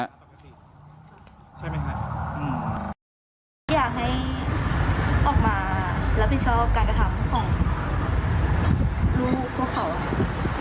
อยากให้ออกมารับผิดชอบการกระทำของลูกพ่อเขา